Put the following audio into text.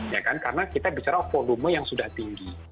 ya kan karena kita bicara volume yang sudah tinggi